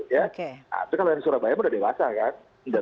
tapi kalau yang surabaya sudah dewasa kan